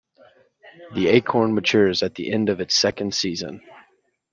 The acorn matures at the end of its second season.